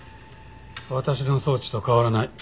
私の装置と変わらない。